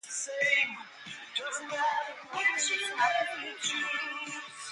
Red Wing is south of Spruce Home.